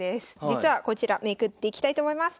実はこちらめくっていきたいと思います。